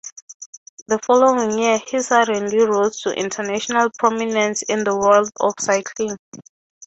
The following year, he suddenly rose to international prominence in the world of cycling.